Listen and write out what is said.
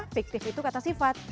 fiktif itu kata sifat